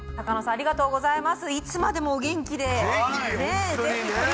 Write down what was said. ありがとうございます。